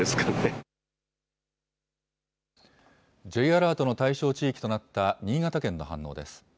Ｊアラートの対象地域となった新潟県の反応です。